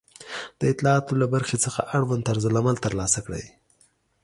د اطلاعاتو له برخې څخه اړوند طرزالعمل ترلاسه کړئ